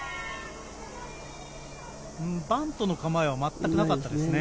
バントの構えはまったくなかったですね。